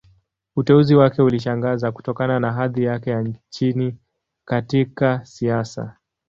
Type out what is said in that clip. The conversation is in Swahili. Uteuzi wake ulishangaza, kutokana na hadhi yake ya chini katika siasa.